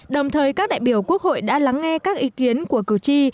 đồng thời các đại biểu quốc hội đã lắng nghe các ý kiến của cử tri